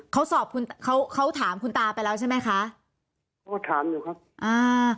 เขาสอบคุณเขาเขาถามคุณตาไปแล้วใช่ไหมคะเขาถามอยู่ครับอ่า